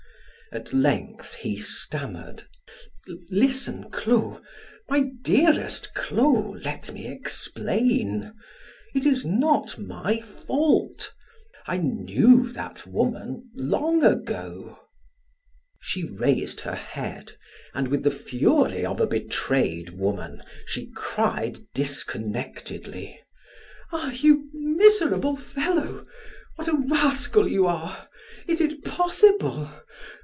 At length he stammered: "Listen Clo my dearest Clo, let me explain. It is not my fault. I knew that woman long ago " She raised her head and with the fury of a betrayed woman, she cried disconnectedly: "Ah, you miserable fellow what a rascal you are! Is it possible?